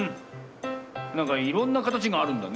なんかいろんなかたちがあるんだね。